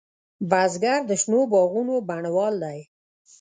بزګر د شنو باغونو بڼوال دی